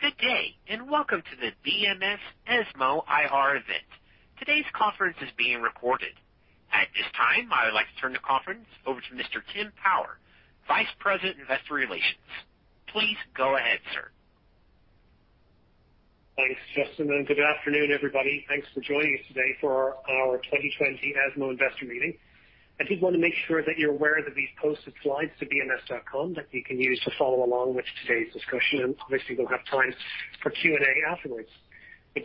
Good day, welcome to the BMS ESMO IR event. Today's conference is being recorded. At this time, I would like to turn the conference over to Mr. Timothy Power, Vice President, Investor Relations. Please go ahead, sir. Thanks, Justin. Good afternoon, everybody. Thanks for joining us today for our 2020 ESMO Investor Meeting. I did want to make sure that you're aware that we've posted slides to bms.com that you can use to follow along with today's discussion, and obviously we'll have time for Q&A afterwards.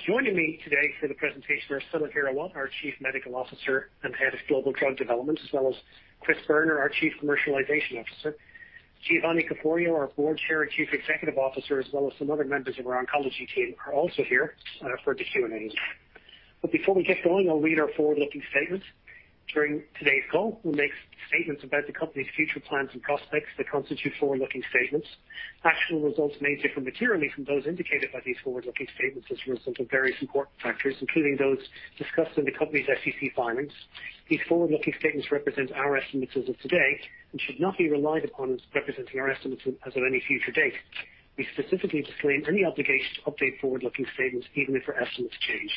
Joining me today for the presentation are Samit Hirawat, our Chief Medical Officer and Head of Global Drug Development, as well as Chris Boerner, our Chief Commercialization Officer. Giovanni Caforio, our Board Chair and Chief Executive Officer, as well as some other members of our oncology team are also here for the Q&A. Before we get going, I'll read our forward-looking statements. During today's call, we'll make statements about the company's future plans and prospects that constitute forward-looking statements. Actual results may differ materially from those indicated by these forward-looking statements as a result of various important factors, including those discussed in the company's SEC filings. These forward-looking statements represent our estimates as of today and should not be relied upon as representing our estimates as of any future date. We specifically disclaim any obligation to update forward-looking statements, even if our estimates change.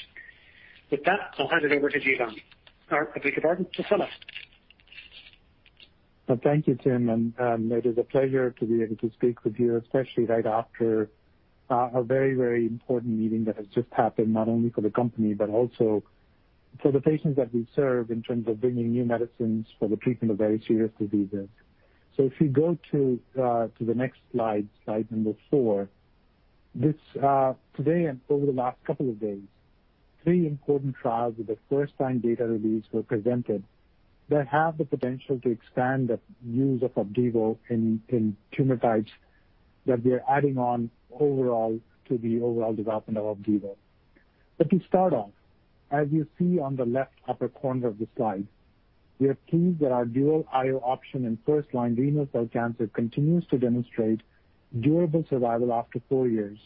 With that, I'll hand it over to Giovanni. Or I beg your pardon, to Samit. Thank you, Tim, and it is a pleasure to be able to speak with you, especially right after a very important meeting that has just happened, not only for the company but also for the patients that we serve in terms of bringing new medicines for the treatment of very serious diseases. If you go to the next slide number four. Today and over the last couple of days, three important trials with the first-line data release were presented that have the potential to expand the use of OPDIVO in tumor types that we're adding on overall to the overall development of OPDIVO. To start off, as you see on the left upper corner of the slide, we are pleased that our dual I/O option in first-line renal cell cancer continues to demonstrate durable survival after four years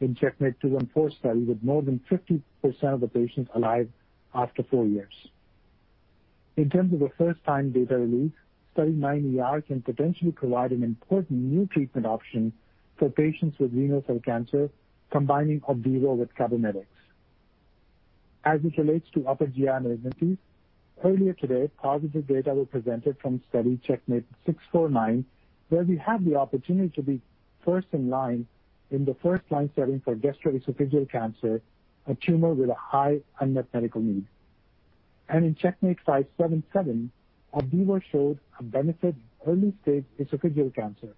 in CheckMate -214 study, with more than 50% of the patients alive after four years. In terms of a first-time data release, study 9ER can potentially provide an important new treatment option for patients with renal cell cancer, combining OPDIVO with CABOMETYX. As it relates to upper GI malignancies, earlier today, positive data were presented from study CheckMate -649, where we have the opportunity to be first in line in the first-line setting for gastroesophageal cancer, a tumor with a high unmet medical need. In CheckMate -577, OPDIVO showed a benefit in early-stage esophageal cancer,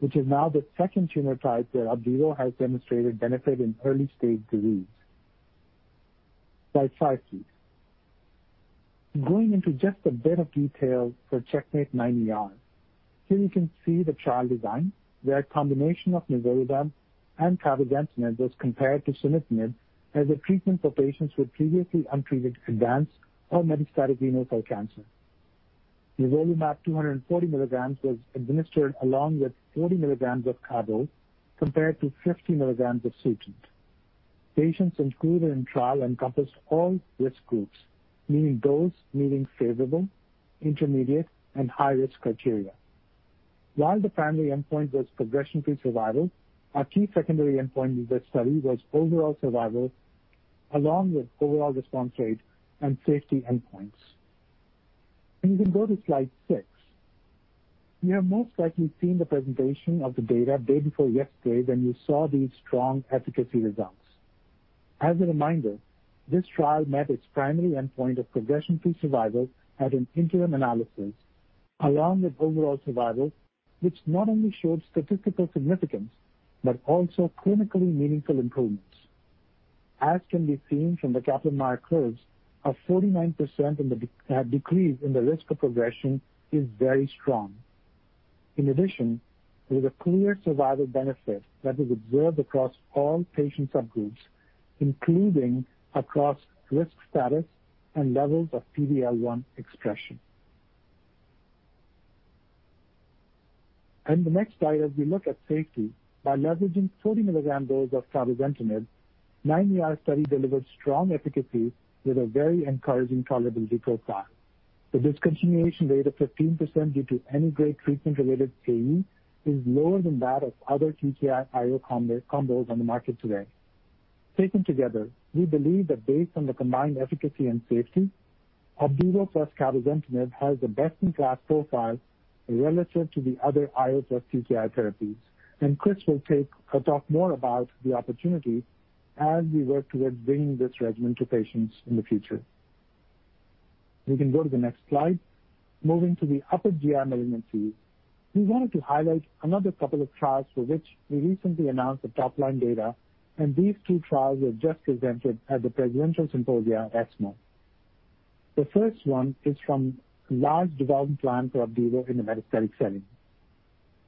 which is now the second tumor type where OPDIVO has demonstrated benefit in early-stage disease. Slide five, please. Going into just a bit of detail for CheckMate-9ER. Here you can see the trial design where a combination of nivolumab and cabozantinib was compared to sunitinib as a treatment for patients with previously untreated advanced or metastatic renal cell cancer. nivolumab 240 milligrams was administered along with 40 milligrams of CABO, compared to 50 milligrams of SUTENT. Patients included in trial encompassed all risk groups, meaning those meeting favorable, intermediate, and high-risk criteria. While the primary endpoint was progression-free survival, our key secondary endpoint in this study was overall survival along with overall response rate and safety endpoints. You can go to slide six. You have most likely seen the presentation of the data day before yesterday when you saw these strong efficacy results. As a reminder, this trial met its primary endpoint of progression-free survival at an interim analysis along with overall survival, which not only showed statistical significance but also clinically meaningful improvements. As can be seen from the Kaplan-Meier curves, a 49% decrease in the risk of progression is very strong. In addition, there's a clear survival benefit that is observed across all patient subgroups, including across risk status and levels of PD-L1 expression. In the next slide, as we look at safety by leveraging 30-milligram dose of cabozantinib, 9ER study delivered strong efficacy with a very encouraging tolerability profile. The discontinuation rate of 15% due to any grade treatment-related AE is lower than that of other TKI IO combos on the market today. Taken together, we believe that based on the combined efficacy and safety, OPDIVO plus cabozantinib has a best-in-class profile relative to the other IO plus TKI therapies. Chris will talk more about the opportunity as we work towards bringing this regimen to patients in the future. We can go to the next slide. Moving to the upper GI malignancies, we wanted to highlight another couple of trials for which we recently announced the top-line data, and these two trials were just presented at the Presidential Symposia at ESMO. The first one is from large development plan for OPDIVO in the metastatic setting.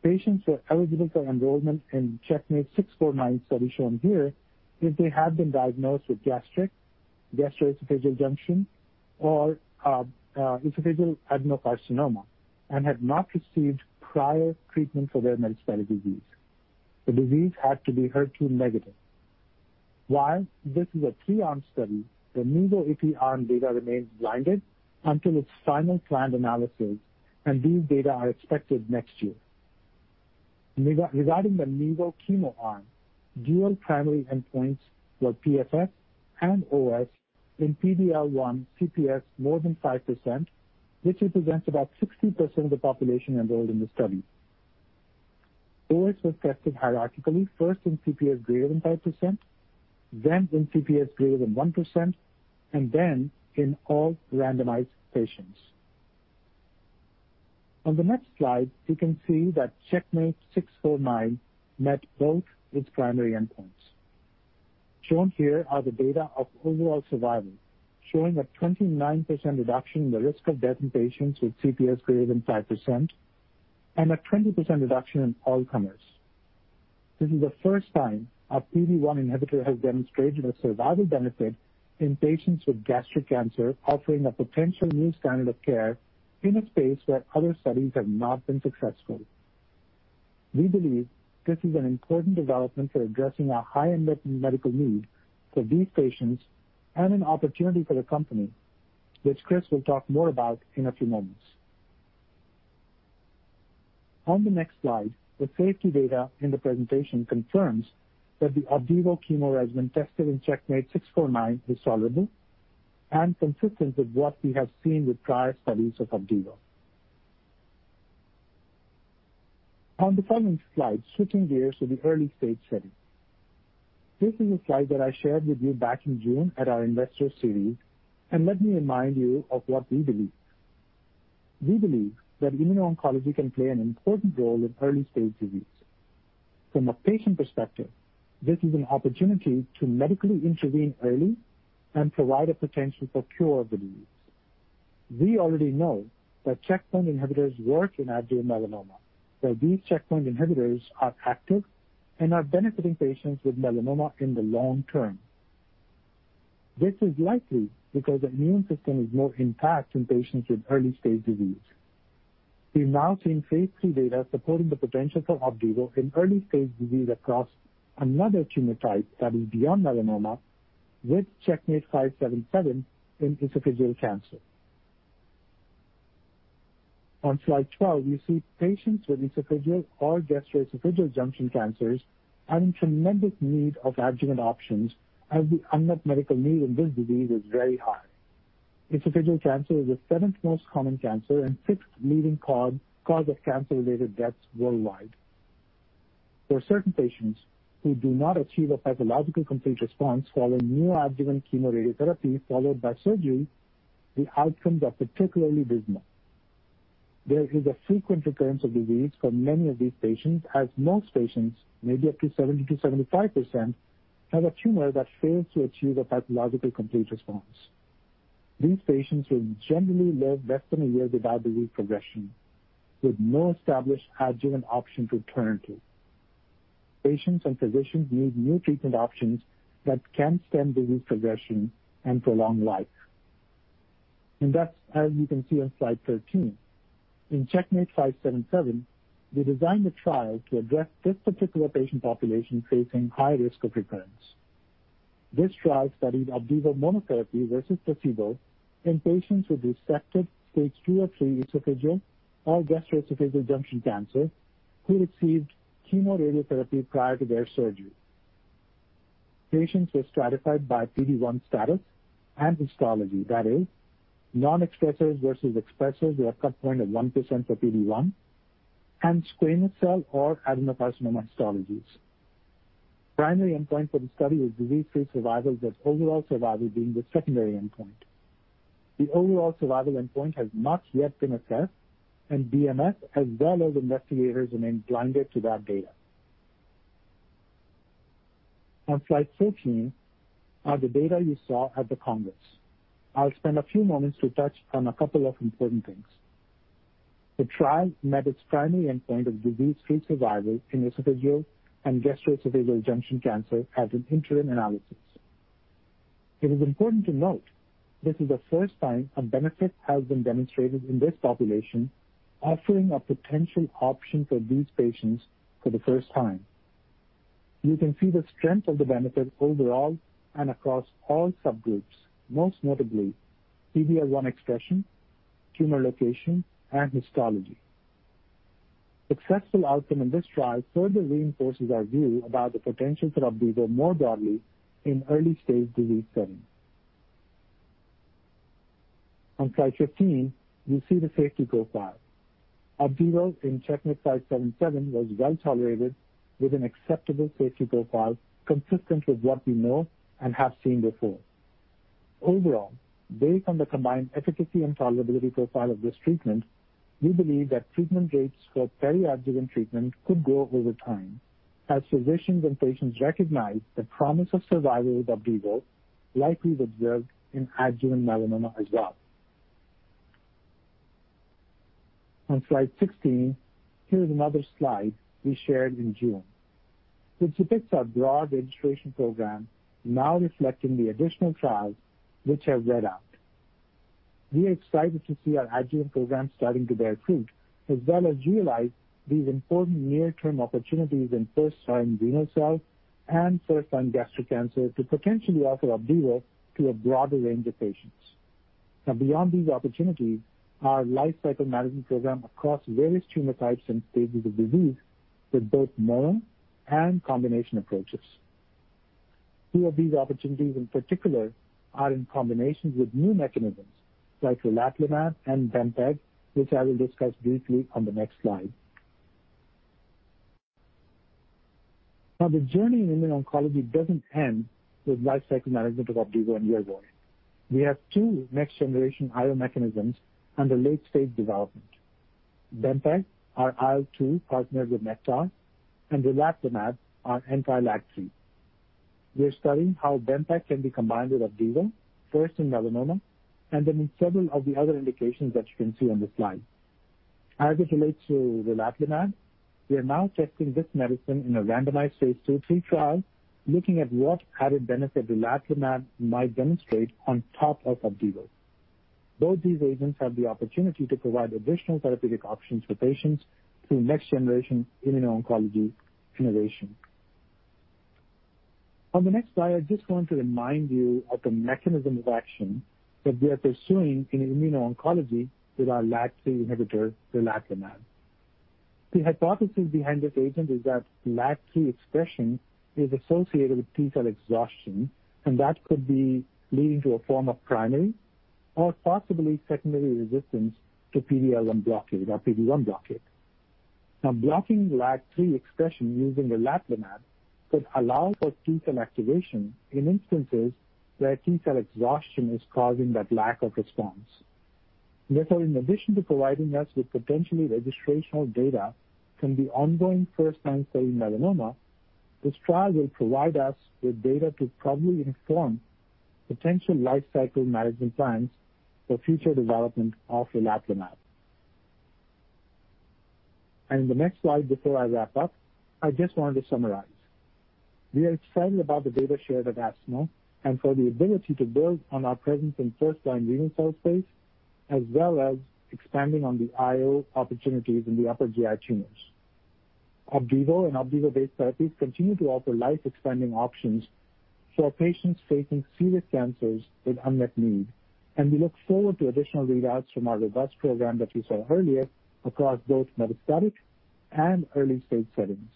Patients were eligible for enrollment in CheckMate -649 study shown here if they had been diagnosed with gastric, gastroesophageal junction, or esophageal adenocarcinoma and had not received prior treatment for their metastatic disease. The disease had to be HER2 negative. While this is a three-arm study, the Nivo+Ipi arm data remains blinded until its final planned analysis, and these data are expected next year. Regarding the Nivo+chemo arm, dual primary endpoints were PFS and OS in PD-L1 CPS more than 5%, which represents about 60% of the population enrolled in the study. OS was tested hierarchically, first in CPS greater than 5%, then in CPS greater than 1%, and then in all randomized patients. On the next slide, you can see that CheckMate -649 met both its primary endpoints. Shown here are the data of overall survival, showing a 29% reduction in the risk of death in patients with CPS greater than 5% and a 20% reduction in all comers. This is the first time a PD-1 inhibitor has demonstrated a survival benefit in patients with gastric cancer, offering a potential new standard of care in a space where other studies have not been successful. We believe this is an important development for addressing a high medical need for these patients and an opportunity for the company, which Chris will talk more about in a few moments. The next slide, the safety data in the presentation confirms that the OPDIVO chemo regimen tested in CheckMate -649 is tolerable and consistent with what we have seen with prior studies of OPDIVO. The following slide, switching gears to the early-stage setting. This is a slide that I shared with you back in June at our investor series. Let me remind you of what we believe. We believe that immuno-oncology can play an important role in early-stage disease. From a patient perspective, this is an opportunity to medically intervene early and provide a potential for cure of the disease. We already know that checkpoint inhibitors work in adjuvant melanoma, where these checkpoint inhibitors are active and are benefiting patients with melanoma in the long term. This is likely because the immune system is more intact in patients with early-stage disease. We're now seeing phase III data supporting the potential for OPDIVO in early-stage disease across another tumor type that is beyond melanoma with CheckMate -577 in esophageal cancer. On slide 12, you see patients with esophageal or gastroesophageal junction cancers are in tremendous need of adjuvant options, as the unmet medical need in this disease is very high. Esophageal cancer is the seventh most common cancer and sixth leading cause of cancer-related deaths worldwide. For certain patients who do not achieve a pathologic complete response following neoadjuvant chemoradiotherapy followed by surgery, the outcomes are particularly dismal. There is a frequent recurrence of disease for many of these patients, as most patients, maybe up to 70%-75%, have a tumor that fails to achieve a pathologic complete response. These patients will generally live less than one year without disease progression, with no established adjuvant option to turn to. That's as you can see on slide 13. In CheckMate 577, we designed the trial to address this particular patient population facing high risk of recurrence. This trial studied OPDIVO monotherapy versus placebo in patients with resected Stage II or III esophageal or gastroesophageal junction cancer who received chemoradiotherapy prior to their surgery. Patients were stratified by PD-1 status and histology. That is non-expressers versus expressers, with a cut point of 1% for PD-1, and squamous cell or adenocarcinoma histologies. Primary endpoint for the study is Disease-Free Survival, with Overall Survival being the secondary endpoint. The Overall Survival endpoint has not yet been assessed, and BMS, as well as investigators, remain blinded to that data. On slide 14 are the data you saw at the congress. I'll spend a few moments to touch on a couple of important things. The trial met its primary endpoint of Disease-Free Survival in esophageal and gastroesophageal junction cancer as an interim analysis. It is important to note this is the first time a benefit has been demonstrated in this population, offering a potential option for these patients for the first time. You can see the strength of the benefit overall and across all subgroups, most notably PD-L1 expression, tumor location, and histology. Successful outcome in this trial further reinforces our view about the potential for OPDIVO more broadly in early-stage disease settings. On slide 15, you see the safety profile. OPDIVO in CheckMate 577 was well-tolerated with an acceptable safety profile consistent with what we know and have seen before. Overall, based on the combined efficacy and tolerability profile of this treatment, we believe that treatment rates for peri-adjuvant treatment could grow over time as physicians and patients recognize the promise of survival with OPDIVO, like we've observed in adjuvant melanoma as well. On slide 16, here is another slide we shared in June, which depicts our broad registration program now reflecting the additional trials which have read out. We are excited to see our adjuvant program starting to bear fruit, as well as utilize these important near-term opportunities in first-line renal cell and first-line gastric cancer to potentially offer OPDIVO to a broader range of patients. Beyond these opportunities, our lifecycle management program across various tumor types and stages of disease with both mono and combination approaches. Two of these opportunities in particular are in combinations with new mechanisms like relatlimab and bempeg, which I will discuss briefly on the next slide. The journey in immuno-oncology doesn't end with lifecycle management of OPDIVO and YERVOY. We have two next-generation IO mechanisms under late-stage development. Bempeg, our IL-2 partnered with Nektar, and relatlimab, our anti-LAG-3. We are studying how bempeg can be combined with OPDIVO, first in melanoma, and then in several of the other indications that you can see on this slide. As it relates to relatlimab, we are now testing this medicine in a randomized phase II/III trial, looking at what added benefit relatlimab might demonstrate on top of OPDIVO. Both these agents have the opportunity to provide additional therapeutic options for patients through next generation immuno-oncology innovation. On the next slide, I just want to remind you of the mechanism of action that we are pursuing in immuno-oncology with our LAG-3 inhibitor, relatlimab. The hypothesis behind this agent is that LAG-3 expression is associated with T cell exhaustion, and that could be leading to a form of primary or possibly secondary resistance to PD-L1 blockade or PD-1 blockade. Blocking LAG-3 expression using relatlimab could allow for T cell activation in instances where T cell exhaustion is causing that lack of response. In addition to providing us with potentially registrational data from the ongoing first-line setting melanoma, this trial will provide us with data to probably inform potential life cycle management plans for future development of relatlimab. In the next slide before I wrap up, I just wanted to summarize. We are excited about the data shared at ESMO and for the ability to build on our presence in first-line renal cell, as well as expanding on the IO opportunities in the upper GI tumors. OPDIVO and OPDIVO-based therapies continue to offer life-extending options for patients facing serious cancers with unmet need, and we look forward to additional readouts from our robust program that we saw earlier across both metastatic and early-stage settings.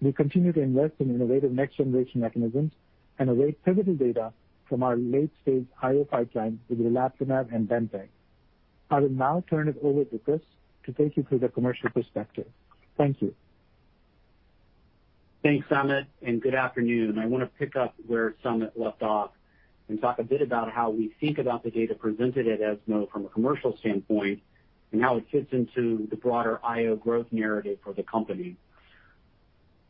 We continue to invest in innovative next-generation mechanisms and await pivotal data from our late-stage IO pipeline with relatlimab and bempeg. I will now turn it over to Chris to take you through the commercial perspective. Thank you. Thanks, Samit. Good afternoon. I want to pick up where Samit left off and talk a bit about how we think about the data presented at ESMO from a commercial standpoint and how it fits into the broader IO growth narrative for the company.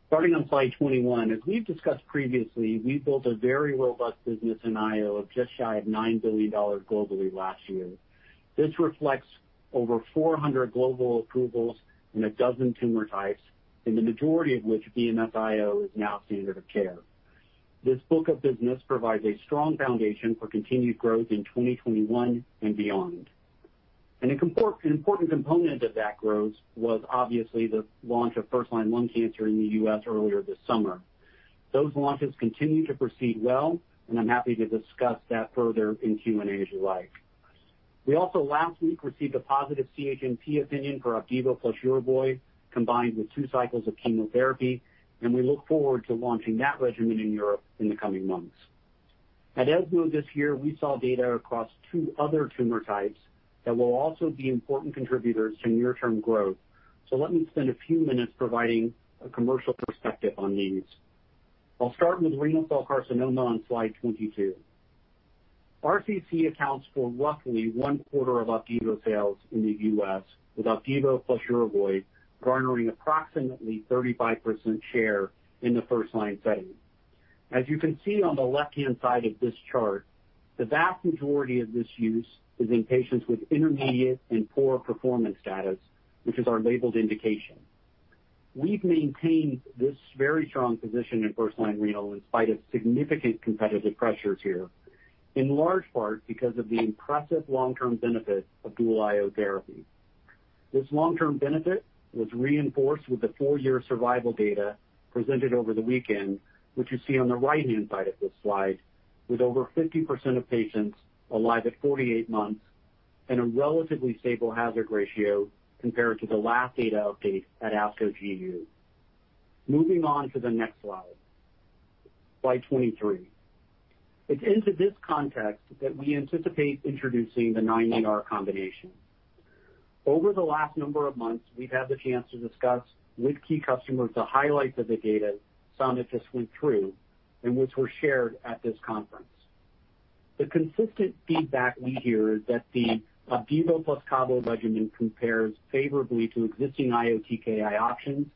Starting on slide 21, as we've discussed previously, we've built a very robust business in IO of just shy of $9 billion globally last year. This reflects over 400 global approvals in a dozen tumor types, in the majority of which BMS IO is now standard of care. This book of business provides a strong foundation for continued growth in 2021 and beyond. An important component of that growth was obviously the launch of first-line lung cancer in the U.S. earlier this summer. Those launches continue to proceed well. I'm happy to discuss that further in Q&A, as you like. We also last week received a positive CHMP opinion for OPDIVO plus YERVOY, combined with two cycles of chemotherapy, and we look forward to launching that regimen in Europe in the coming months. At ESMO this year, we saw data across two other tumor types that will also be important contributors to near-term growth. Let me spend a few minutes providing a commercial perspective on these. I'll start with renal cell carcinoma on slide 22. RCC accounts for roughly 1/4 of OPDIVO sales in the U.S., with OPDIVO plus YERVOY garnering approximately 35% share in the first-line setting. As you can see on the left-hand side of this chart, the vast majority of this use is in patients with intermediate and poor performance status, which is our labeled indication. We've maintained this very strong position in first-line renal in spite of significant competitive pressures here, in large part because of the impressive long-term benefit of dual IO therapy. This long-term benefit was reinforced with the four-year survival data presented over the weekend, which you see on the right-hand side of this slide, with over 50% of patients alive at 48 months and a relatively stable hazard ratio compared to the last data update at ASCO GU. Moving on to the next slide 23. It's into this context that we anticipate introducing the 9ER combination. Over the last number of months, we've had the chance to discuss with key customers the highlights of the data Samit just went through and which were shared at this conference. The consistent feedback we hear is that the OPDIVO plus CABO regimen compares favorably to existing IO TKI options,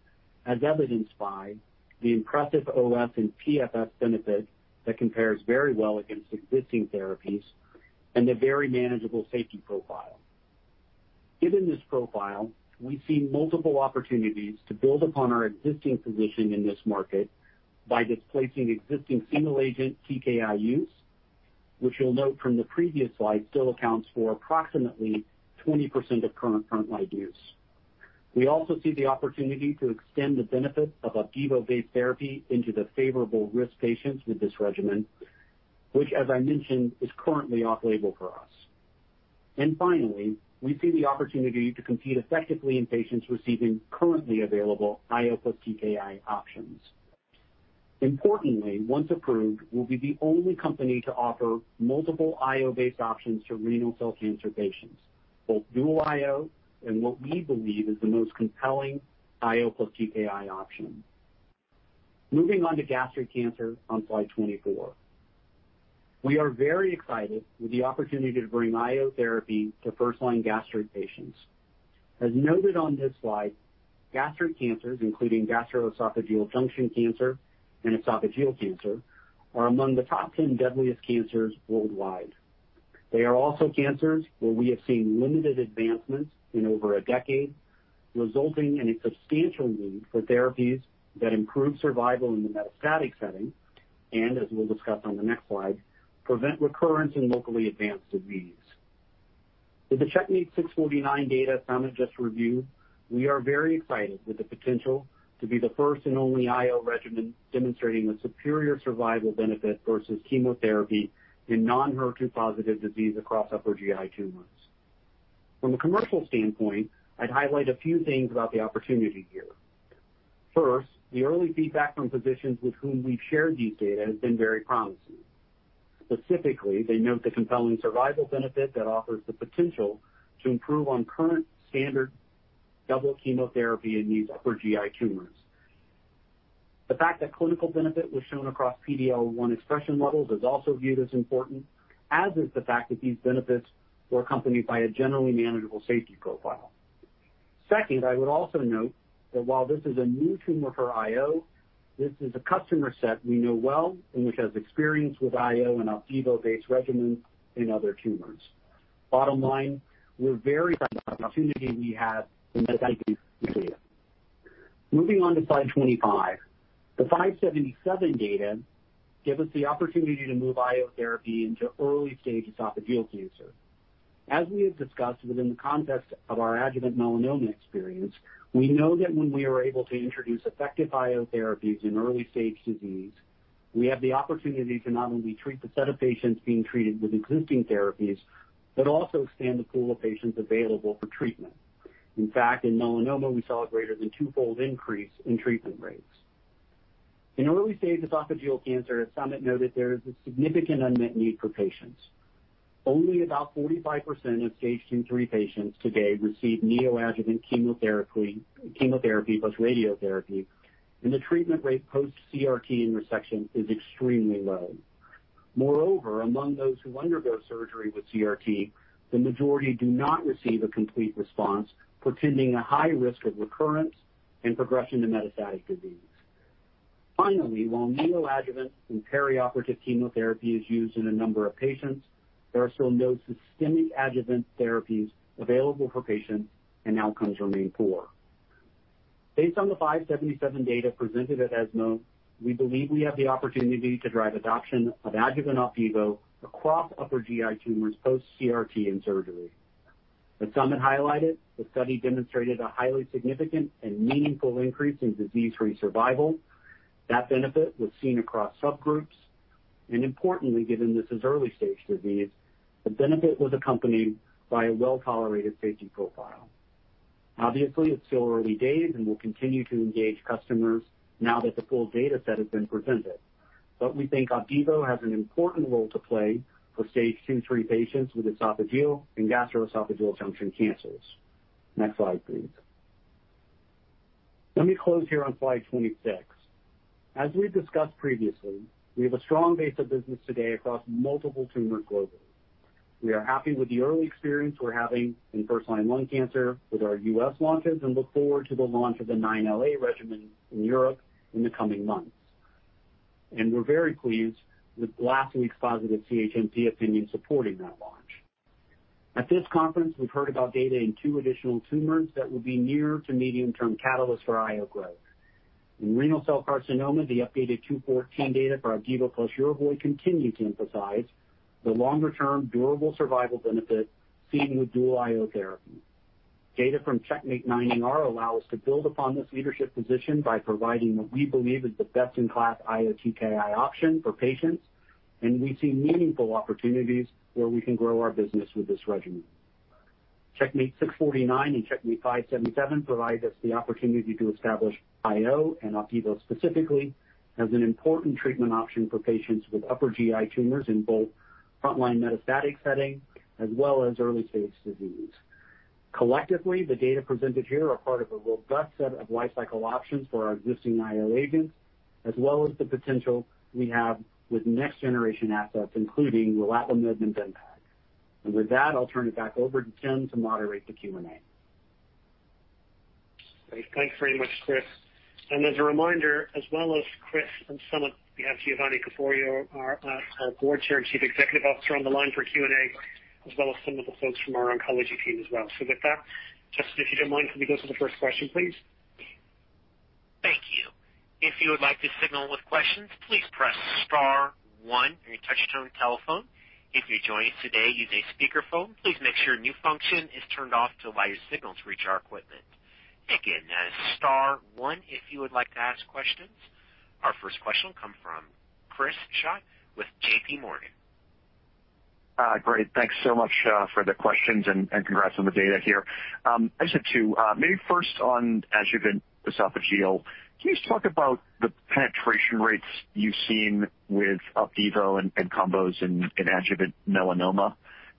as evidenced by the impressive OS and PFS benefit that compares very well against existing therapies and a very manageable safety profile. Given this profile, we see multiple opportunities to build upon our existing position in this market by displacing existing single agent TKI use, which you'll note from the previous slide, still accounts for approximately 20% of current frontline use. We also see the opportunity to extend the benefits of OPDIVO-based therapy into the favorable risk patients with this regimen, which as I mentioned, is currently off-label for us. Finally, we see the opportunity to compete effectively in patients receiving currently available IO plus TKI options. Importantly, once approved, we'll be the only company to offer multiple IO-based options to renal cell cancer patients, both dual IO and what we believe is the most compelling IO plus TKI option. Moving on to gastric cancer on slide 24. We are very excited with the opportunity to bring IO therapy to first-line gastric patients. As noted on this slide, gastric cancers, including gastroesophageal junction cancer and esophageal cancer, are among the top 10 deadliest cancers worldwide. They are also cancers where we have seen limited advancements in over a decade, resulting in a substantial need for therapies that improve survival in the metastatic setting, and as we'll discuss on the next slide, prevent recurrence in locally advanced disease. With the CheckMate -649 data Samit just reviewed, we are very excited with the potential to be the first and only IO regimen demonstrating a superior survival benefit versus chemotherapy in non-HER2-positive disease across upper GI tumors. From a commercial standpoint, I'd highlight a few things about the opportunity here. The early feedback from physicians with whom we've shared these data has been very promising. Specifically, they note the compelling survival benefit that offers the potential to improve on current standard double chemotherapy in these upper GI tumors. The fact that clinical benefit was shown across PD-L1 expression levels is also viewed as important, as is the fact that these benefits were accompanied by a generally manageable safety profile. Second, I would also note that while this is a new tumor for IO, this is a customer set we know well and which has experience with IO and OPDIVO-based regimens in other tumors. Bottom line, we're very excited about the opportunity we have in this data. Moving on to slide 25. The 577 data give us the opportunity to move IO therapy into early stage esophageal cancer. As we have discussed within the context of our adjuvant melanoma experience, we know that when we are able to introduce effective IO therapies in early stage disease, we have the opportunity to not only treat the set of patients being treated with existing therapies, but also expand the pool of patients available for treatment. In fact, in melanoma, we saw a greater than twofold increase in treatment rates. In early stage esophageal cancer, as Samit noted, there is a significant unmet need for patients. Only about 45% of stage two, three patients today receive neoadjuvant chemotherapy plus radiotherapy, and the treatment rate post-CRT resection is extremely low. Moreover, among those who undergo surgery with CRT, the majority do not receive a complete response, portending a high risk of recurrence and progression to metastatic disease. Finally, while neoadjuvant and perioperative chemotherapy is used in a number of patients, there are still no systemic adjuvant therapies available for patients, and outcomes remain poor. Based on the 577 data presented at ESMO, we believe we have the opportunity to drive adoption of adjuvant OPDIVO across upper GI tumors post-CRT and surgery. As Samit highlighted, the study demonstrated a highly significant and meaningful increase in Disease-Free Survival. That benefit was seen across subgroups. Importantly, given this is early-stage disease, the benefit was accompanied by a well-tolerated safety profile. Obviously, it's still early days. We'll continue to engage customers now that the full data set has been presented. We think OPDIVO has an important role to play for stage two, three patients with esophageal and gastroesophageal junction cancers. Next slide, please. Let me close here on slide 26. As we've discussed previously, we have a strong base of business today across multiple tumors globally. We are happy with the early experience we're having in first-line lung cancer with our U.S. launches and look forward to the launch of the 9LA regimen in Europe in the coming months. We're very pleased with last week's positive CHMP opinion supporting that launch. At this conference, we've heard about data in two additional tumors that will be near to medium-term catalysts for IO growth. In renal cell carcinoma, the updated CheckMate -214 data for OPDIVO plus YERVOY continue to emphasize the longer-term durable survival benefit seen with dual IO therapy. Data from CheckMate -9ER allow us to build upon this leadership position by providing what we believe is the best-in-class IO TKI option for patients. We see meaningful opportunities where we can grow our business with this regimen. CheckMate -649 and CheckMate -577 provide us the opportunity to establish IO and OPDIVO specifically as an important treatment option for patients with upper GI tumors in both frontline metastatic setting as well as early stage disease. Collectively, the data presented here are part of a robust set of life cycle options for our existing IO agents, as well as the potential we have with next generation assets, including relatlimab and ZINPEX. With that, I'll turn it back over to Tim to moderate the Q&A. Great. Thanks very much, Chris. As a reminder, as well as Chris and Samit, we have Giovanni Caforio, our Board Chair and Chief Executive Officer, on the line for Q&A, as well as some of the folks from our oncology team as well. With that, Justin, if you don't mind, can we go to the first question, please? Thank you. Our first question will come from Chris Schott with JPMorgan. Great. Thanks so much for the questions, and congrats on the data here. I just have two. Maybe first on adjuvant esophageal, can you just talk about the penetration rates you've seen with OPDIVO and combos in adjuvant melanoma?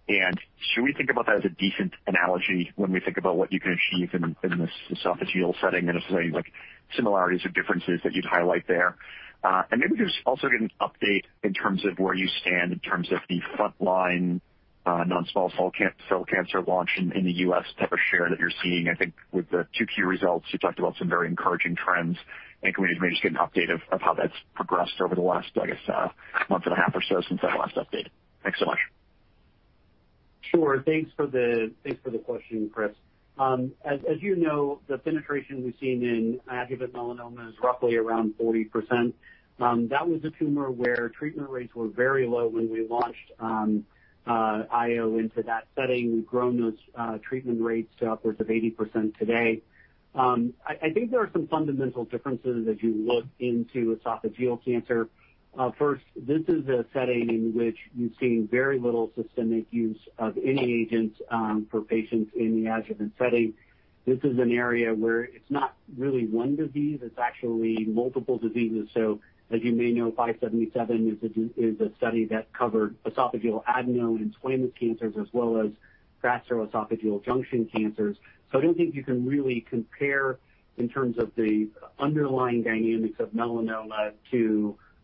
Should we think about that as a decent analogy when we think about what you can achieve in this esophageal setting, and if there's any similarities or differences that you'd highlight there? Maybe just also get an update in terms of where you stand in terms of the frontline non-small cell cancer launch in the U.S. type of share that you're seeing. I think with the 2Q results, you talked about some very encouraging trends. Can we maybe just get an update of how that's progressed over the last, I guess, month and a half or so since that last update? Thanks so much. Sure. Thanks for the question, Chris. As you know, the penetration we've seen in adjuvant melanoma is roughly around 40%. That was a tumor where treatment rates were very low when we launched IO into that setting. We've grown those treatment rates to upwards of 80% today. I think there are some fundamental differences as you look into esophageal cancer. This is a setting in which you've seen very little systemic use of any agent for patients in the adjuvant setting. This is an area where it's not really one disease. It's actually multiple diseases. As you may know, 577 is a study that covered esophageal adenocarcinoma and squamous cancers, as well as gastroesophageal junction cancers. I don't think you can really compare in terms of the underlying dynamics of melanoma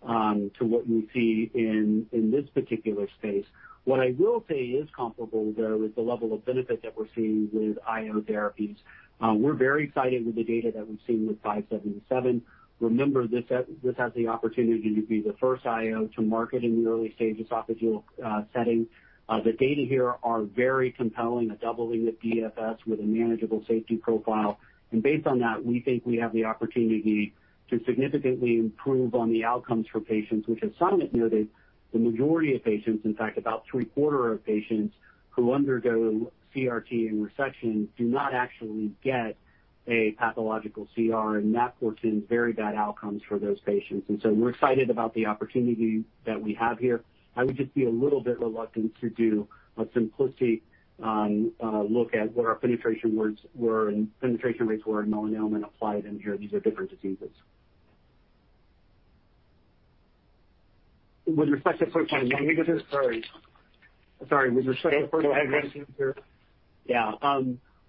to what we see in this particular space. What I will say is comparable, though, is the level of benefit that we're seeing with IO therapies. We're very excited with the data that we've seen with 577. Remember, this has the opportunity to be the first IO to market in the early stage esophageal setting. The data here are very compelling, a doubling of DFS with a manageable safety profile. Based on that, we think we have the opportunity to significantly improve on the outcomes for patients, which, as Samit noted, the majority of patients, in fact, about three-quarter of patients who undergo CRT and resection do not actually get a pathological CR, and that portends very bad outcomes for those patients. We're excited about the opportunity that we have here. I would just be a little bit reluctant to do a simplicity look at what our penetration rates were in melanoma and apply it in here. These are different diseases. With respect to first-line non-small cell. Sorry.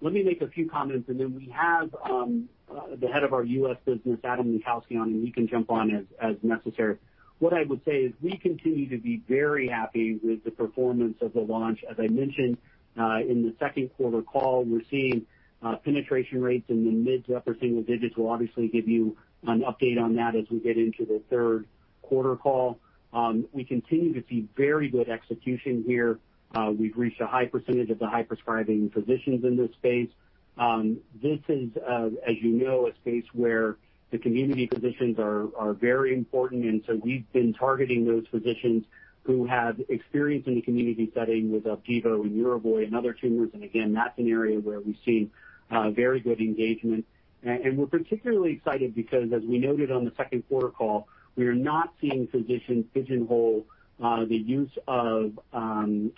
Let me make a few comments, and then we have the head of our U.S. business, Adam Lenkowsky, on, and he can jump on as necessary. What I would say is we continue to be very happy with the performance of the launch. As I mentioned in the second quarter call, we're seeing penetration rates in the mid to upper single digits. We'll obviously give you an update on that as we get into the third quarter call. We continue to see very good execution here. We've reached a high percentage of the high-prescribing physicians in this space. This is, as you know, a space where the community physicians are very important, and so we've been targeting those physicians who have experience in the community setting with OPDIVO and YERVOY and other tumors, and again, that's an area where we've seen very good engagement. We're particularly excited because, as we noted on the second quarter call, we are not seeing physicians pigeonhole the use of OPDIVO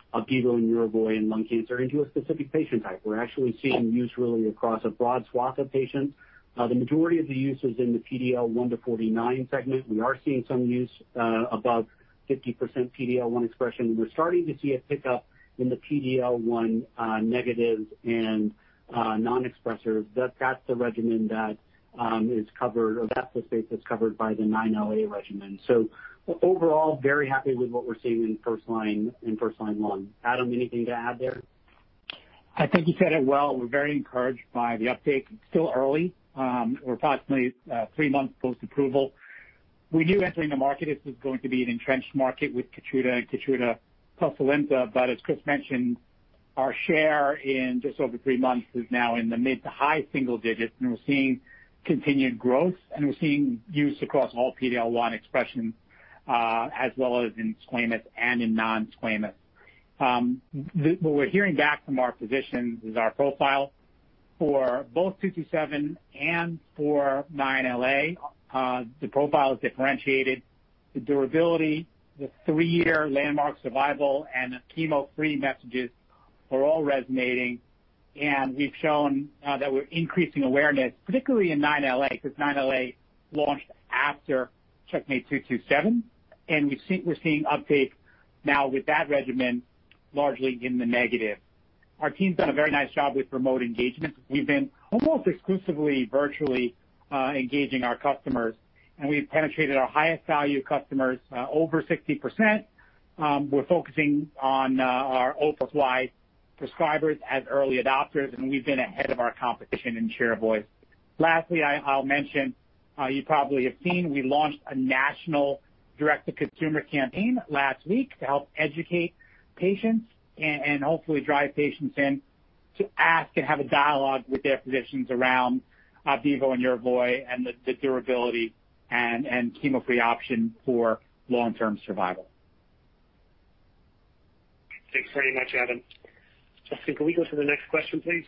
and YERVOY in lung cancer into a specific patient type. We're actually seeing use really across a broad swath of patients. The majority of the use is in the PD-L1 to 49% segment. We are seeing some use above 50% PD-L1 expression. We're starting to see a pickup in the PD-L1 negatives and non-expressors. That's the regimen that is covered, or that's the space that's covered by the 9LA regimen. Overall, very happy with what we're seeing in first-line lung. Adam, anything to add there? I think you said it well. We're very encouraged by the uptake. It's still early. We're approximately three months post-approval. We knew entering the market this was going to be an entrenched market with KEYTRUDA and KEYTRUDA plus ALIMTA. As Chris mentioned, our share in just over three months is now in the mid to high single digits, and we're seeing continued growth, and we're seeing use across all PD-L1 expression, as well as in squamous and in non-squamous. What we're hearing back from our physicians is our profile for both 227 and for 9LA, the profile is differentiated. The durability, the three-year landmark survival, and the chemo-free messages are all resonating. We've shown that we're increasing awareness, particularly in 9LA, because 9LA launched after CheckMate -227, and we're seeing uptake now with that regimen largely in the negative. Our team's done a very nice job with remote engagement. We've been almost exclusively virtually engaging our customers, and we've penetrated our highest value customers over 60%. We're focusing on our OPDIVO prescribers as early adopters. We've been ahead of our competition in YERVOY. Lastly, I'll mention, you probably have seen, we launched a national direct-to-consumer campaign last week to help educate patients and hopefully drive patients in to ask and have a dialogue with their physicians around OPDIVO and YERVOY and the durability and chemo-free option for long-term survival. Thanks very much, Adam. Justin, can we go to the next question, please?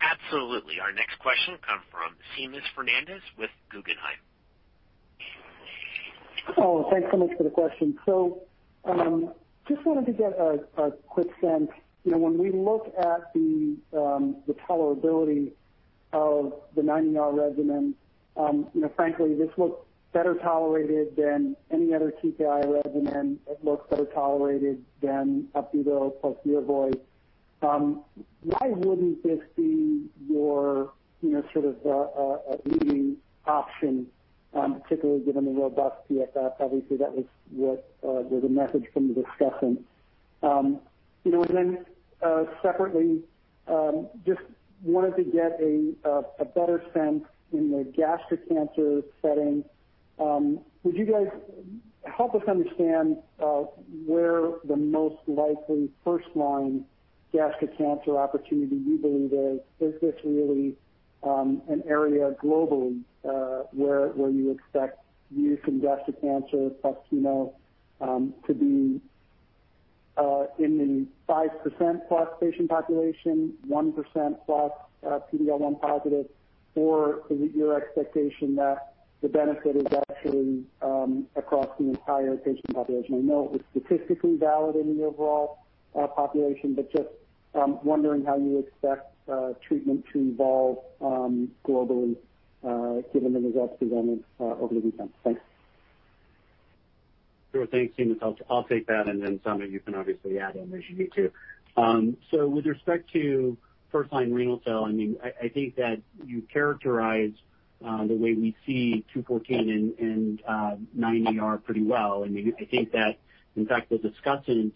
Absolutely. Our next question comes from Seamus Fernandez with Guggenheim. Thanks so much for the question. Just wanted to get a quick sense. When we look at the tolerability of the 9ER regimen. Frankly, this looks better tolerated than any other TKI regimen. It looks better tolerated than OPDIVO plus YERVOY. Why wouldn't this be your leading option, particularly given the robust PFS? Obviously, that was the message from the discussion. Separately, just wanted to get a better sense in the gastric cancer setting. Would you guys help us understand where the most likely first-line gastric cancer opportunity you believe is? Is this really an area globally where you expect use in gastric cancer plus chemo to be in the 5% plus patient population, 1% plus PD-L1 positive, or is it your expectation that the benefit is actually across the entire patient population? I know it was statistically valid in the overall population, but just wondering how you expect treatment to evolve globally given the results presented over the weekend. Thanks. Sure. Thanks, Seamus. I'll take that. Then Samit, you can obviously add in as you need to. With respect to first-line renal cell, I think that you characterize the way we see 214 and 9ER pretty well. I think that, in fact, the discussant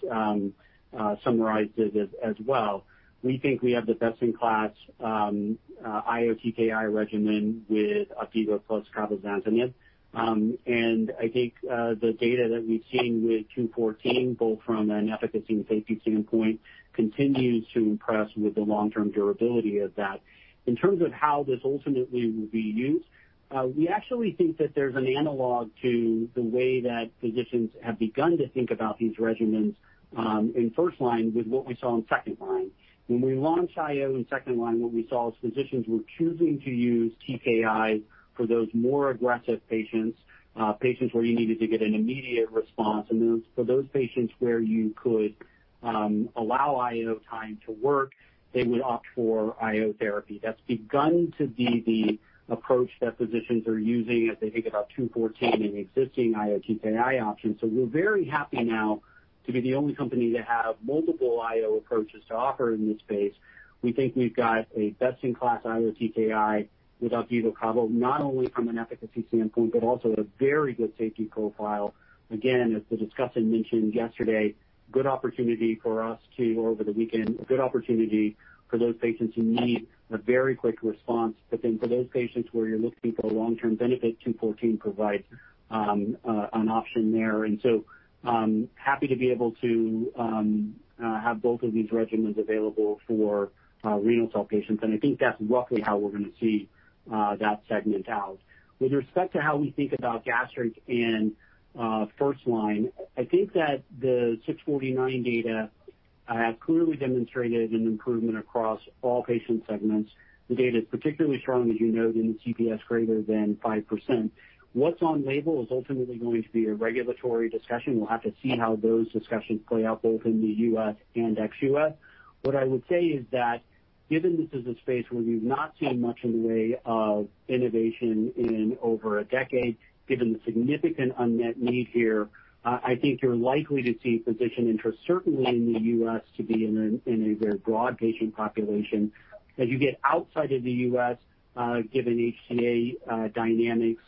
summarized it as well. We think we have the best-in-class IO TKI regimen with OPDIVO plus cabozantinib. I think the data that we've seen with 214, both from an efficacy and safety standpoint, continues to impress with the long-term durability of that. In terms of how this ultimately will be used, we actually think that there's an analog to the way that physicians have begun to think about these regimens in first-line with what we saw in second-line. When we launched IO in second-line, what we saw is physicians were choosing to use TKIs for those more aggressive patients where you needed to get an immediate response. For those patients where you could allow IO time to work, they would opt for IO therapy. That's begun to be the approach that physicians are using as they think about CheckMate -214 and existing IO TKI options. We're very happy now to be the only company to have multiple IO approaches to offer in this space. We think we've got a best-in-class IO TKI with OPDIVO CABO, not only from an efficacy standpoint, but also a very good safety profile. Again, as the discussant mentioned yesterday, a good opportunity for those patients who need a very quick response. For those patients where you're looking for a long-term benefit, 214 provides an option there. Happy to be able to have both of these regimens available for renal cell patients, and I think that's roughly how we're going to see that segment out. With respect to how we think about gastric and first-line, I think that the 649 data have clearly demonstrated an improvement across all patient segments. The data is particularly strong, as you noted, in CPS greater than 5%. What's on label is ultimately going to be a regulatory discussion. We'll have to see how those discussions play out both in the U.S. and ex-U.S. What I would say is that given this is a space where we've not seen much in the way of innovation in over a decade, given the significant unmet need here, I think you're likely to see physician interest, certainly in the U.S., to be in a very broad patient population. As you get outside of the U.S., given HTA dynamics,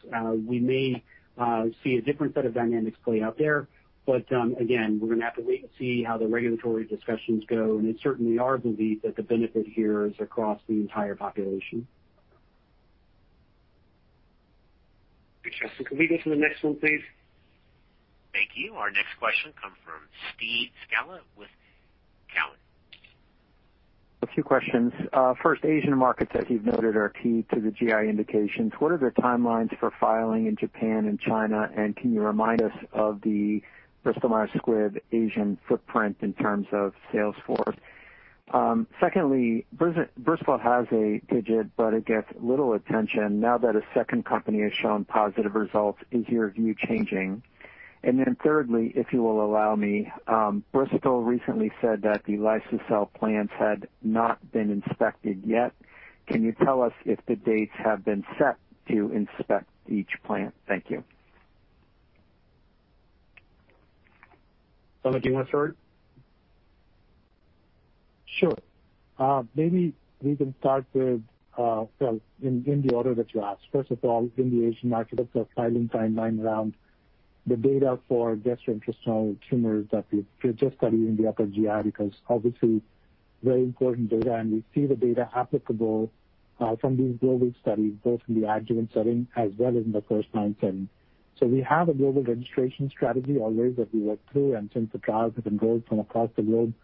we may see a different set of dynamics play out there. We're going to have to wait and see how the regulatory discussions go, and it certainly arguably that the benefit here is across the entire population. Hey, Justin, can we go to the next one, please? Thank you. Our next question comes from Steve Scala with Cowen. A few questions. First, Asian markets, as you've noted, are key to the GI indications. What are the timelines for filing in Japan and China, and can you remind us of the Bristol Myers Squibb Asian footprint in terms of sales force? Secondly, Bristol has a TIGIT, but it gets little attention. Now that a second company has shown positive results, is your view changing? Thirdly, if you will allow me, Bristol recently said that the liso-cel plants had not been inspected yet. Can you tell us if the dates have been set to inspect each plant? Thank you. Samit, do you want to start? Sure. Maybe we can start with, well, in the order that you asked. First of all, in the Asian market, the filing timeline around the data for gastrointestinal tumors that we're just studying the upper GI, because obviously very important data, and we see the data applicable from these global studies, both in the adjuvant setting as well as in the first-line setting. We have a global registration strategy already that we work through, and since the trials have been global from across the globe,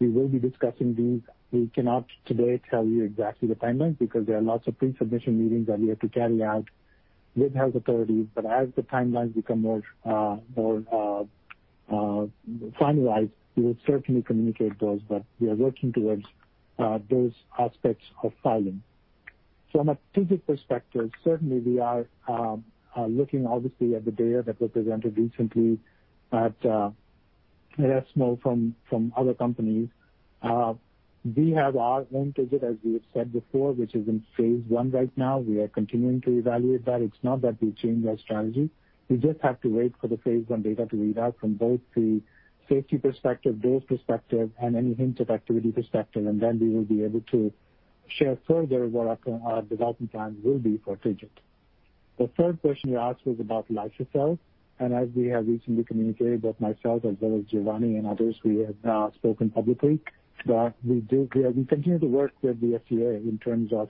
we will be discussing these. We cannot today tell you exactly the timeline, because there are lots of pre-submission meetings that we have to carry out with health authorities. As the timelines become more finalized, we will certainly communicate those. We are working towards those aspects of filing. From a TIGIT perspective, certainly we are looking, obviously, at the data that was presented recently at ESMO from other companies. We have our own TIGIT, as we have said before, which is in phase I right now. We are continuing to evaluate that. It's not that we change our strategy. We just have to wait for the phase I data to read out from both the safety perspective, dose perspective, and any hint of activity perspective, and then we will be able to share further what our development plan will be for TIGIT. The third question you asked was about liso-cel, and as we have recently communicated, both myself as well as Giovanni and others, we have now spoken publicly that we continue to work with the FDA in terms of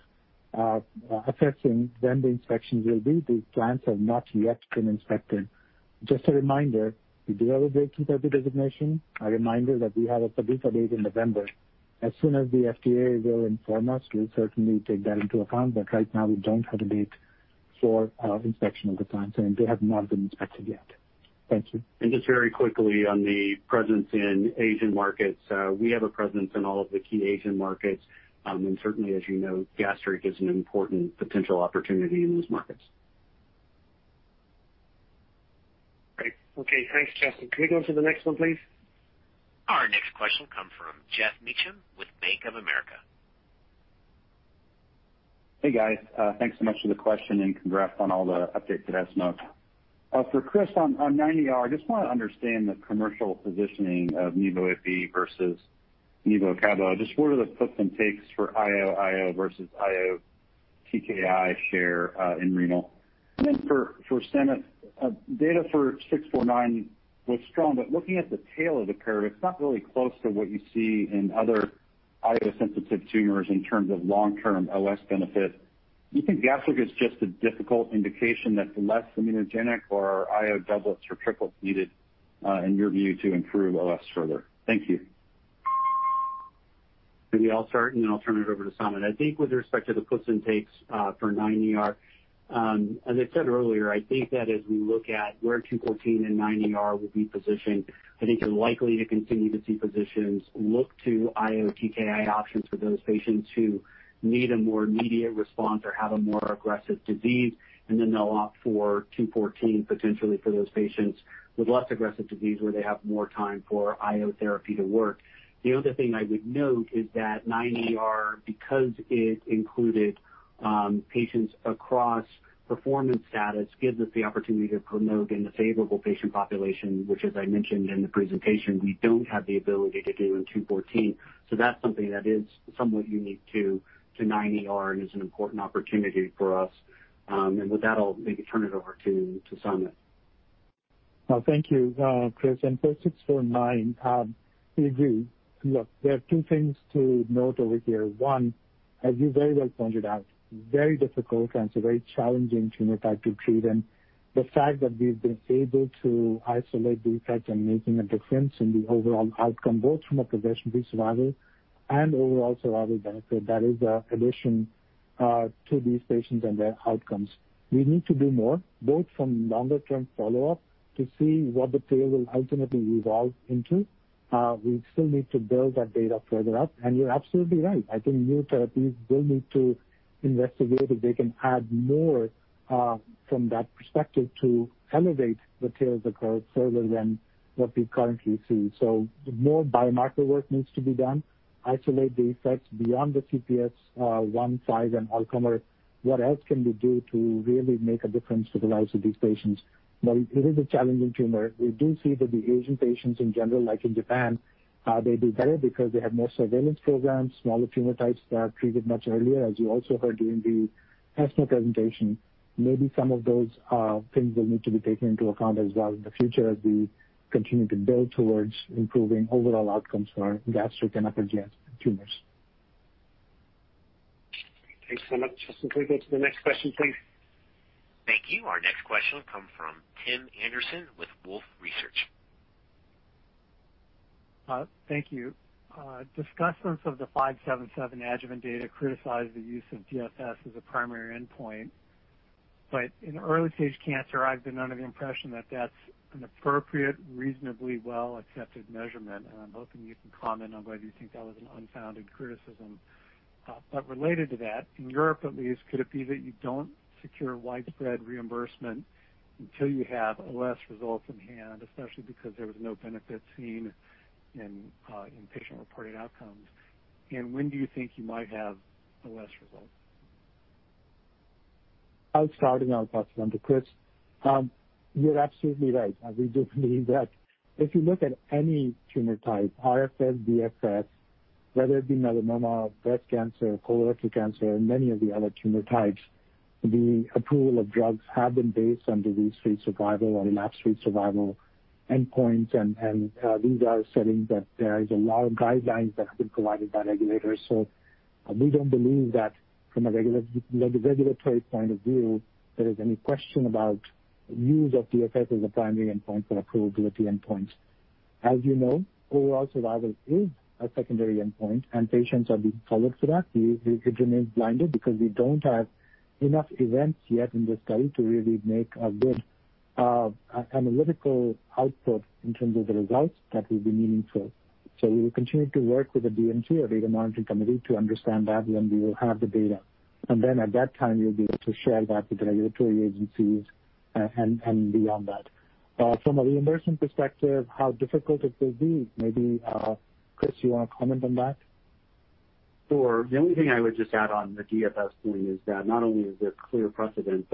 assessing when the inspections will be. These plants have not yet been inspected. Just a reminder, we do have a Breakthrough Therapy designation. A reminder that we have a PDUFA date in November. As soon as the FDA will inform us, we'll certainly take that into account. Right now, we don't have a date for inspection of the plants, and they have not been inspected yet. Thank you. Just very quickly on the presence in Asian markets, we have a presence in all of the key Asian markets. Certainly, as you know, gastric is an important potential opportunity in those markets. Great. Okay. Thanks, Justin. Can we go to the next one, please? Our next question comes from Geoff Meacham with Bank of America. Hey, guys. Thanks so much for the question, and congrats on all the updates at ESMO. For Chris, on 9ER, I just want to understand the commercial positioning of Nivo + Ipi versus Nivo + CABO. Just what are the puts and takes for IO versus IO TKI share in renal? For Samit, data for 649 was strong, but looking at the tail of the curve, it's not really close to what you see in other IO-sensitive tumors in terms of long-term OS benefit. Do you think gastric is just a difficult indication that's less immunogenic or IO doublets or triplets needed, in your view, to improve OS further? Thank you. Maybe I'll start, and then I'll turn it over to Samit. With respect to the puts and takes for 9ER, as I said earlier, I think that as we look at where 214 and 9ER will be positioned, I think you're likely to continue to see physicians look to IO TKI options for those patients who need a more immediate response or have a more aggressive disease. They'll opt for 214 potentially for those patients with less aggressive disease where they have more time for IO therapy to work. The other thing I would note is that 9ER, because it included patients across performance status, gives us the opportunity to promote in the favorable patient population, which, as I mentioned in the presentation, we don't have the ability to do in 214. That's something that is somewhat unique to 9ER and is an important opportunity for us. With that, I'll maybe turn it over to Samit. Thank you, Chris. For 649, we agree. Look, there are two things to note over here. One, as you very well pointed out, very difficult and it's a very challenging tumor type to treat. The fact that we've been able to isolate the effects and making a difference in the overall outcome, both from a progression-free survival and overall survival benefit, that is an addition to these patients and their outcomes. We need to do more, both from longer-term follow-up to see what the tail will ultimately evolve into. We still need to build that data further up. You're absolutely right. I think new therapies will need to investigate if they can add more from that perspective to elevate the tails of the curve further than what we currently see. More biomarker work needs to be done, isolate the effects beyond the CPS 1, five, and oncomer. What else can we do to really make a difference to the lives of these patients? It is a challenging tumor. We do see that the Asian patients in general, like in Japan, they do better because they have more surveillance programs, smaller tumor types that are treated much earlier, as you also heard during the ESMO presentation. Maybe some of those things will need to be taken into account as well in the future as we continue to build towards improving overall outcomes for our gastric and upper GI tumors. Thanks so much, Justin. Can we go to the next question, please? Thank you. Our next question will come from Tim Anderson with Wolfe Research. Thank you. Discussants of the 577 adjuvant data criticized the use of DFS as a primary endpoint. In early-stage cancer, I've been under the impression that that's an appropriate, reasonably well-accepted measurement, and I'm hoping you can comment on whether you think that was an unfounded criticism. Related to that, in Europe at least, could it be that you don't secure widespread reimbursement until you have OS results in hand, especially because there was no benefit seen in patient-reported outcomes? When do you think you might have OS results? I'll start and I'll pass it on to Chris. You're absolutely right. We do believe that if you look at any tumor type, RFS, DFS, whether it be melanoma, breast cancer, colorectal cancer, and many of the other tumor types, the approval of drugs have been based on disease-free survival or relapse-free survival endpoints. These are settings that there is a lot of guidelines that have been provided by regulators. We don't believe that from a regulatory point of view, there is any question about use of DFS as a primary endpoint and approval to the endpoint. As you know, overall survival is a secondary endpoint, and patients are being followed for that. It remains blinded because we don't have enough events yet in the study to really make a good analytical output in terms of the results that will be meaningful. We will continue to work with the DMC, or data monitoring committee, to understand that when we will have the data. At that time, we'll be able to share that with the regulatory agencies and beyond that. From a reimbursement perspective, how difficult it will be, maybe, Chris, you want to comment on that? Sure. The only thing I would just add on the DFS point is that not only is there clear precedent,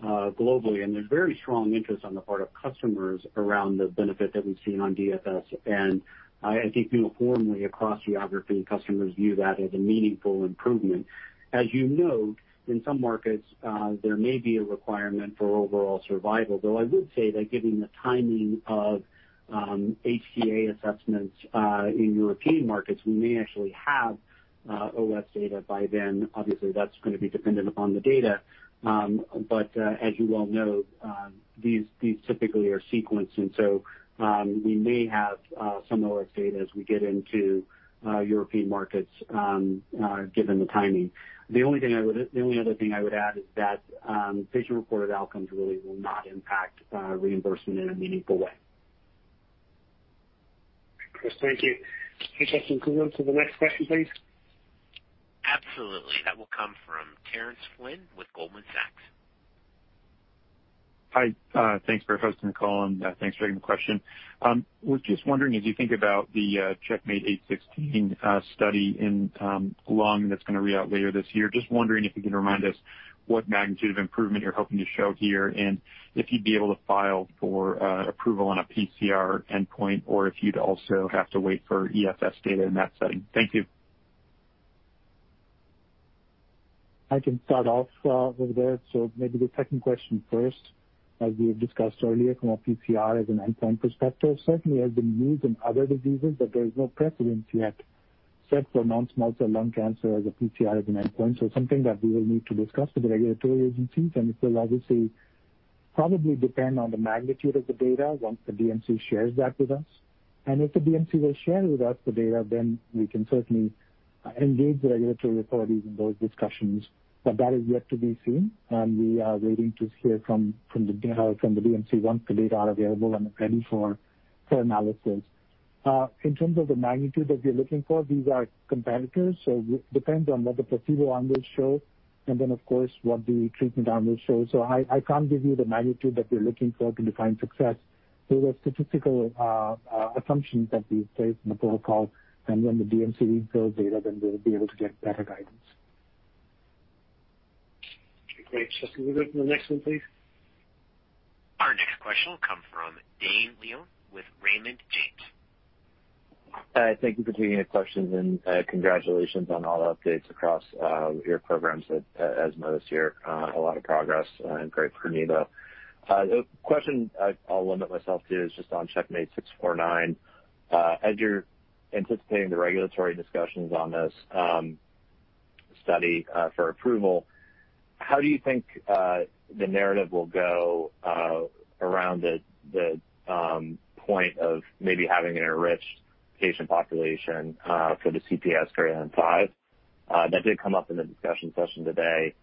there's very strong interest on the part of customers around the benefit that we've seen on DFS. I think uniformly across geography, customers view that as a meaningful improvement. As you note, in some markets, there may be a requirement for overall survival, though I would say that given the timing of HTA assessments in European markets, we may actually have OS data by then. Obviously, that's going to be dependent upon the data. As you well know, these typically are sequenced, and so we may have some OS data as we get into European markets given the timing. The only other thing I would add is that patient-reported outcomes really will not impact reimbursement in a meaningful way. Chris, thank you. Hey, Justin, can we move to the next question, please? Absolutely. That will come from Terence Flynn with Goldman Sachs. Hi. Thanks for hosting the call, and thanks for taking the question. Was just wondering, as you think about the CheckMate-816 study in lung that's going to read out later this year, just wondering if you can remind us what magnitude of improvement you're hoping to show here, and if you'd be able to file for approval on a pCR endpoint, or if you'd also have to wait for EFS data in that setting. Thank you. I can start off over there. Maybe the second question first. As we have discussed earlier, from a pCR as an endpoint perspective, certainly has been used in other diseases, but there is no precedence yet set for non-small cell lung cancer as a pCR as an endpoint. Something that we will need to discuss with the regulatory agencies, and it will obviously probably depend on the magnitude of the data once the DMC shares that with us. If the DMC will share with us the data, then we can certainly engage the regulatory authorities in those discussions. That is yet to be seen. We are waiting to hear from the DMC once the data are available and ready for analysis. In terms of the magnitude that we're looking for, these are competitors, depends on what the placebo arm will show, of course, what the treatment arm will show. I can't give you the magnitude that we're looking for to define success. There were statistical assumptions that we've placed in the protocol, when the DMC reveals data, we'll be able to get better guidance. Okay, great. Justin, can we go to the next one, please? Our next question will come from Dane Leone with Raymond James. Thank you for taking the questions, congratulations on all the updates across your programs as of this year. A lot of progress. Great for Nivo. The question I'll limit myself to is just on CheckMate -649. As you're anticipating the regulatory discussions on this study for approval, how do you think the narrative will go around the point of maybe having an enriched patient population for the CPS greater than five? That did come up in the discussion session today.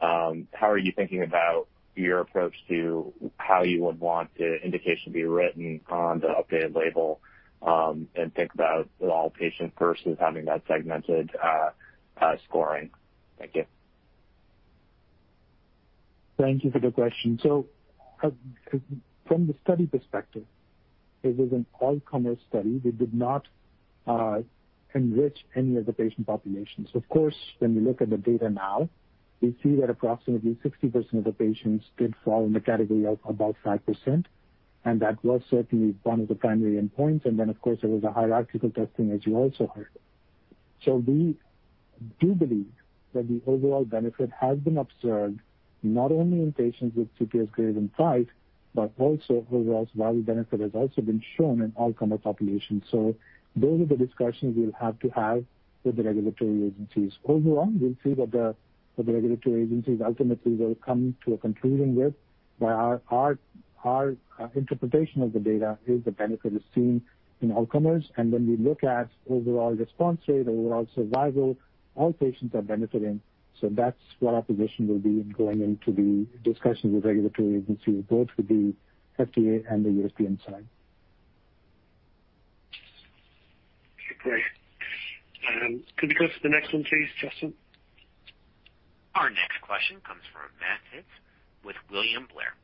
How are you thinking about your approach to how you would want the indication to be written on the updated label and think about all patients versus having that segmented scoring? Thank you. Thank you for the question. From the study perspective, it is an all-comers study. We did not enrich any of the patient populations. Of course, when we look at the data now, we see that approximately 60% of the patients did fall in the category of about 5%, and that was certainly one of the primary endpoints. Then, of course, there was a hierarchical testing, as you also heard. We do believe that the overall benefit has been observed, not only in patients with CPS greater than five, but also overall survival benefit has also been shown in all comer populations. Those are the discussions we'll have to have with the regulatory agencies. Overall, we'll see what the regulatory agencies ultimately will come to a conclusion with, but our interpretation of the data is the benefit is seen in all comers. When we look at overall response rate, overall survival, all patients are benefiting. That's what our position will be going into the discussions with regulatory agencies, both for the FDA and the European side. Okay, great. Could we go to the next one, please, Justin? Our next question comes from Matt Phipps with William Blair.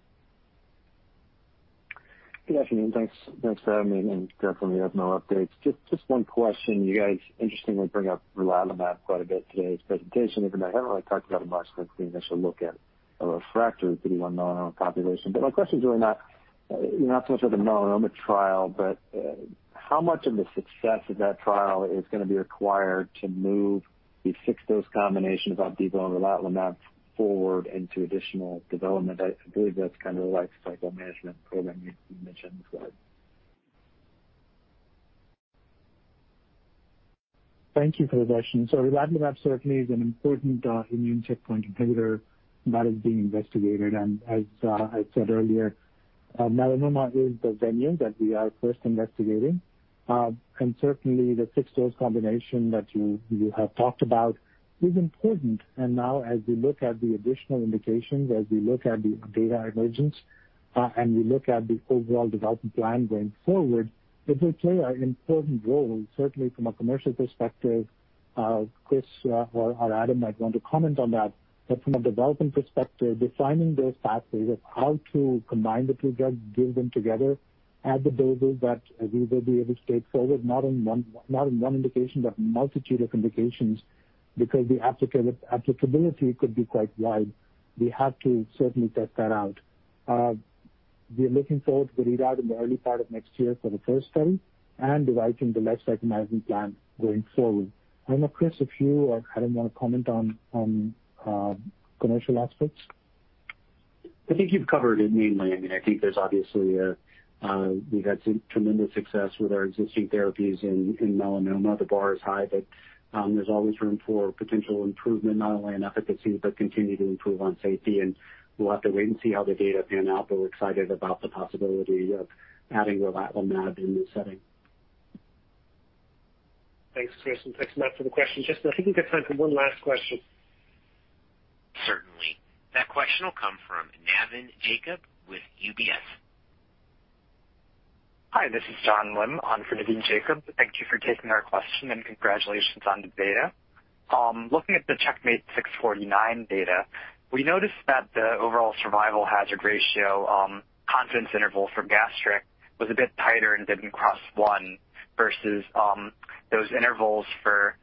Good afternoon. Thanks for having me. Definitely have no updates. Just one question. You guys interestingly bring up relatlimab quite a bit in today's presentation, even though we haven't really talked about it much since the initial look at a refractory phase III melanoma population. My question is really not so much with the melanoma trial, but how much of the success of that trial is going to be required to move the fixed-dose combination of OPDIVO and relatlimab forward into additional development? I believe that's kind of the lifecycle management program you mentioned as well. Thank you for the question. Relatlimab certainly is an important immune checkpoint inhibitor that is being investigated. As I said earlier, melanoma is the venue that we are first investigating. Certainly, the fixed-dose combination that you have talked about is important. Now as we look at the additional indications, as we look at the data emergence, and we look at the overall development plan going forward, it will play an important role, certainly from a commercial perspective. Chris or Adam might want to comment on that. From a development perspective, defining those pathways of how to combine the two drugs, give them together at the doses that we will be able to take forward, not in one indication, but a multitude of indications, because the applicability could be quite wide. We have to certainly test that out. We are looking forward to readout in the early part of next year for the first study and deriving the life cycle management plan going forward. I don't know, Chris, if you or Adam want to comment on commercial aspects. I think you've covered it mainly. I think there's obviously, we've had tremendous success with our existing therapies in melanoma. The bar is high, but there's always room for potential improvement, not only in efficacy but continue to improve on safety. We'll have to wait and see how the data pan out, but we're excited about the possibility of adding relatlimab in this setting. Thanks, Chris, and thanks Matt for the question. Justin, I think we've got time for one last question. Certainly. That question will come from Navin Jacob with UBS. Hi, this is John Lim on for Navin Jacob. Thank you for taking our question and congratulations on the data. Looking at the CheckMate -649 data, we noticed that the overall survival hazard ratio confidence interval for gastric was a bit tighter and didn't cross one versus those intervals for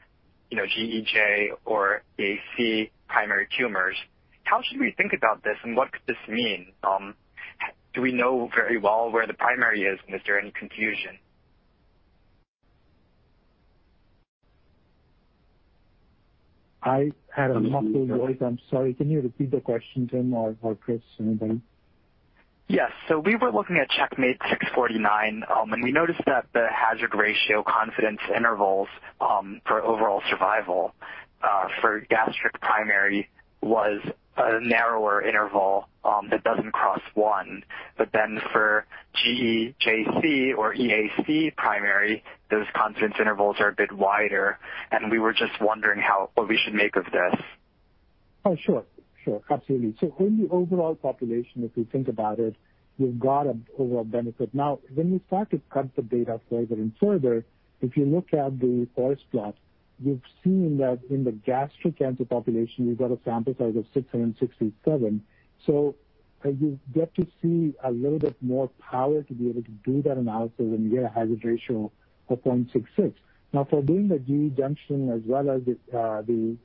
GEJ or EAC primary tumors. How should we think about this, and what could this mean? Do we know very well where the primary is, and is there any confusion? I had a muffled voice. I'm sorry. Can you repeat the question, Tim or Chris? Anybody. Yes. We were looking at CheckMate -649, and we noticed that the hazard ratio confidence intervals for overall survival for gastric primary was a narrower interval that doesn't cross one. For GEJC or EAC primary, those confidence intervals are a bit wider, and we were just wondering what we should make of this. Oh, sure. Absolutely. In the overall population, if we think about it, we've got an overall benefit. When we start to cut the data further and further, if you look at the forest plot, you've seen that in the gastric cancer population, we've got a sample size of 667. You get to see a little bit more power to be able to do that analysis and get a hazard ratio of 0.66. For doing the GE junction as well as the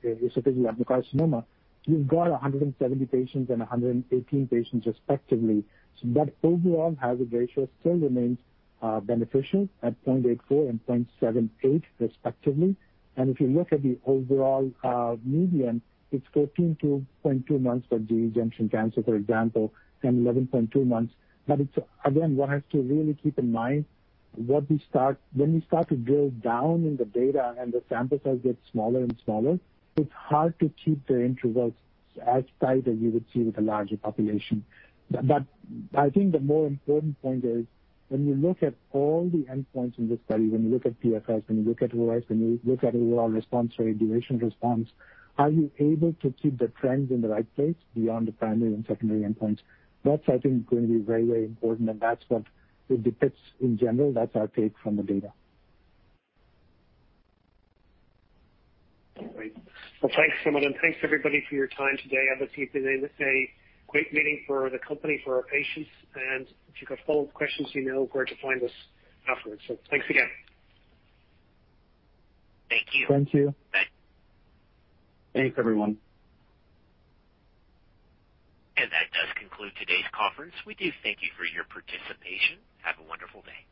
esophageal adenocarcinoma, you've got 170 patients and 118 patients respectively. That overall hazard ratio still remains beneficial at 0.84 and 0.78 respectively. If you look at the overall median, it's 14.2 months for GE junction cancer, for example, and 11.2 months. Again, one has to really keep in mind when we start to drill down in the data and the sample size gets smaller and smaller, it's hard to keep the intervals as tight as you would see with a larger population. I think the more important point is when you look at all the endpoints in this study, when you look at PFS, when you look at OS, when you look at overall response or duration response, are you able to keep the trends in the right place beyond the primary and secondary endpoints? That's I think going to be very important, and that's what it depicts in general. That's our take from the data. Great. Well, thanks everyone, and thanks everybody for your time today. I think today was a great meeting for the company, for our patients, and if you've got follow-up questions, you know where to find us afterwards. Thanks again. Thank you. Thank you. Bye. Thanks everyone. That does conclude today's conference. We do thank you for your participation. Have a wonderful day.